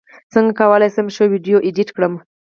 څنګه کولی شم ښه ویډیو ایډیټ کړم